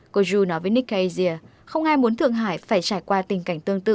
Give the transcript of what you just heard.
cocoju nói với nikkei asia không ai muốn thượng hải phải trải qua tình cảnh tương tự